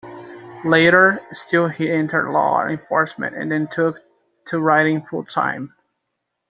Later still he entered law enforcement and then took to writing full-time.